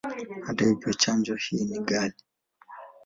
Hata hivyo, chanjo hii ni ghali.